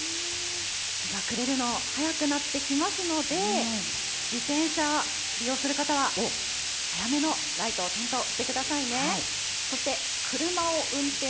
日が暮れるの、早くなってきますので、自転車、利用する方は早めのライト点灯してくださいね。